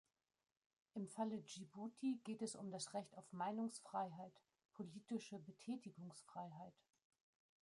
Im Falle Dschibuti geht es um das Recht auf Meinungsfreiheit, politische Betätigungsfreiheit.